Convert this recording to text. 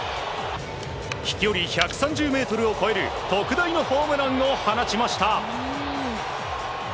飛距離１３０ｍを超える特大のホームランを放ちました。